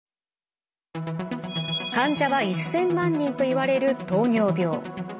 患者は１，０００万人といわれる糖尿病。